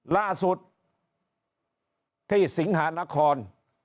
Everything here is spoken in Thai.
ล่าสุดที่สิงหานคร